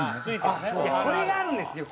これがあるんですよ。